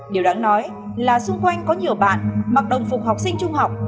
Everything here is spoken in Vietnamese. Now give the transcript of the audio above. điều đáng nói là xung quanh có nhiều bạn mặc đồng phục học sinh trung học